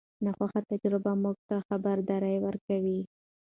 ناخوښه تجربه موږ ته خبرداری ورکوي.